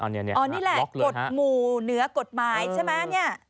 อ๋อนี่แหละกฎหมู่เหนือกฎหมายใช่ไหม